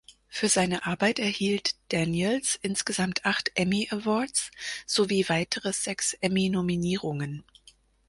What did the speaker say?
Für seine Arbeit erhielt Daniels insgesamt acht Emmy Awards sowie weitere sechs Emmy-Nominierungen.